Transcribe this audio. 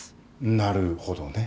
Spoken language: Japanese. なるほどね。